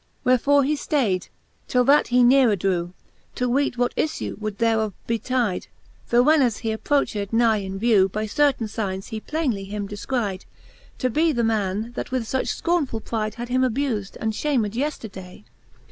XLVII. Wherefore he ftayd, till that he nearer drew, Toweet what iiTue would thereof betyde, Tho whenas he approched nigh in vew, By certaine fignes he plainely him defcrydc To be the man, that with fuch fcornefull pryde Had him abufde, and fhamed yefterday.